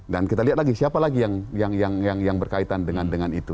dan kita lihat lagi siapa lagi yang berkaitan dengan itu